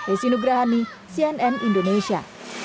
esinugrahani cnn indonesia